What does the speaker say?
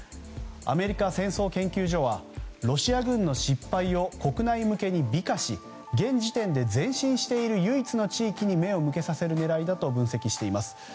アメリカ戦争研究所はロシア軍の失敗を国内向けに美化し現時点で前進している唯一の地域に目を向けさせる狙いだと分析しています。